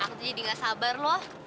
aku tuh jadi gak sabar loh